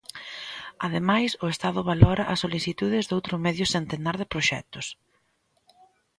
Ademais, o Estado valora as solicitudes doutro medio centenar de proxectos.